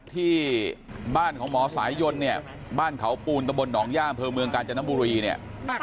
ที่บ้านของหมอสายยนต์เนี่ยบ้านเขาปูนตะบนหนองย่าอำเภอเมืองกาญจนบุรีเนี่ย